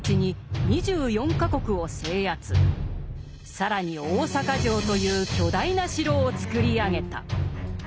更に大坂城という巨大な城を造り上げた。